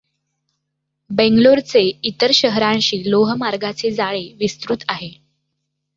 बेंगलोरचे इतर शहरांशी लोहमार्गाचे जाळे विस्तृत आहे.